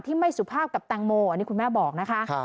ไม่สุภาพกับแตงโมอันนี้คุณแม่บอกนะคะ